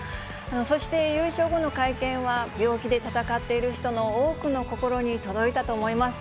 そして、優勝後の会見は、病気で闘っている人の多くの心に届いたと思います。